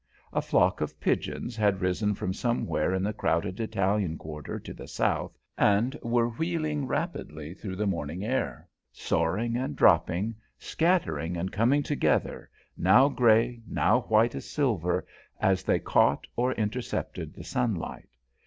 A flock of pigeons had risen from somewhere in the crowded Italian quarter to the south, and were wheeling rapidly up through the morning air, soaring and dropping, scattering and coming together, now grey, now white as silver, as they caught or intercepted the sunlight.